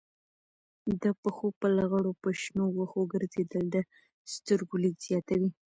د پښو په لغړو په شنو وښو ګرځېدل د سترګو لید زیاتوي.